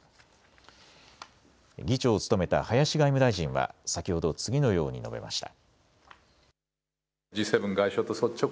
議長を務めた林外務大臣は先ほど次のように述べました。